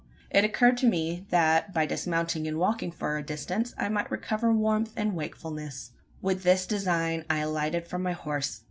It occurred to me that, by dismounting and walking for a distance, I might recover warmth and wakefulness. With this design, I alighted from my horse.